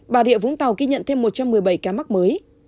bà rịa vũng tàu ghi nhận thêm một trăm một mươi bảy ca mắc mới